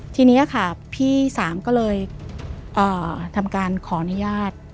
ทีนี้ค่ะพี่สามก็เลยทำการขออนุญาต